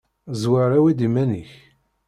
Ẓwer awi-d iman-ik.